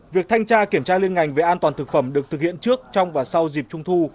việc thanh tra kiểm tra liên ngành về an toàn thực phẩm được thực hiện trước trong và sau dịp trung thu